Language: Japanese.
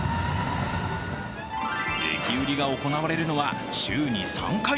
駅売りが行われるのは週に３回。